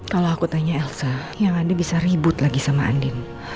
kalau aku tanya elsa yang ada bisa ribut lagi sama andin